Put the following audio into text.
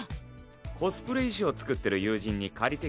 コスプレ衣装作ってる友人に借りてきたんだ。